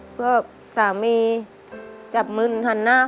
ขอเพียงคุณสามารถที่จะเอ่ยเอื้อนนะครับ